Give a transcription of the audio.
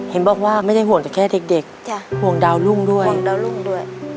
เห็นบอกว่าไม่ได้ห่วงแต่แค่เด็กห่วงดาวรุ่งด้วยห่วงดาวรุ่งด้วย